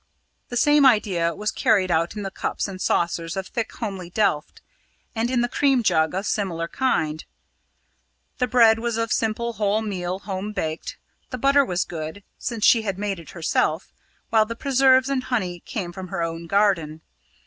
The same idea was carried out in the cups and saucers of thick homely delft, and in the cream jug of similar kind. The bread was of simple whole meal, home baked. The butter was good, since she had made it herself, while the preserves and honey came from her own garden.